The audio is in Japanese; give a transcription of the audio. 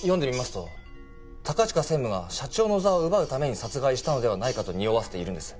読んでみますと高近専務が社長の座を奪うために殺害したのではないかとにおわせているんです。